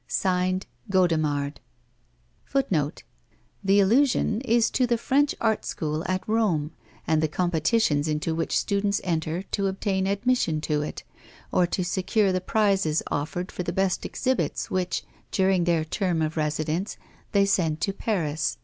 Signed, Godemard.'* * The allusion is to the French Art School at Rome, and the competitions into which students enter to obtain admission to it, or to secure the prizes offered for the best exhibits which, during their term of residence, they send to Paris.